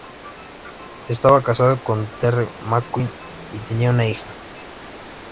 Estaba casado con Terry McQueen y tenían una hija.